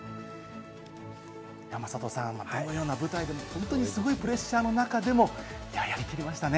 山里さん、どのような舞台でもすごいプレッシャーの中でもやりきりましたね。